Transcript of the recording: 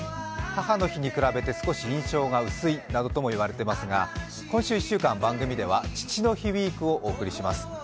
母の日に比べて少し印象が薄いなどとも言われていますが、今週１週間、番組では父の日ウイークをお送りします。